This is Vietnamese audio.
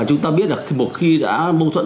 chúng ta biết là một khi đã mâu thuẫn